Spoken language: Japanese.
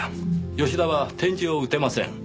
吉田は点字を打てません。